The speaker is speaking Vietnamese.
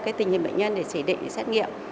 cái tình hình bệnh nhân để chỉ định để xét nghiệm